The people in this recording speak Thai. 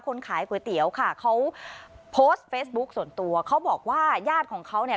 ขายก๋วยเตี๋ยวค่ะเขาโพสต์เฟซบุ๊คส่วนตัวเขาบอกว่าญาติของเขาเนี่ย